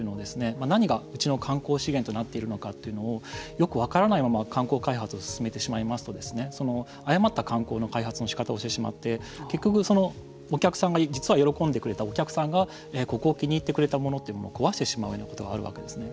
何がうちの観光資源となっているのかというのをよく分からないまま観光開発を進めてしまいますと誤った観光の開発のしかたをしてしまって結局お客さんが実は喜んでくれたお客さんがここを気に入ってくれたものを壊してしまうようなことがあるわけなんですね。